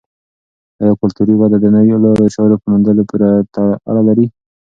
آیا کلتوري وده د نویو لارو چارو په موندلو پورې اړه لري؟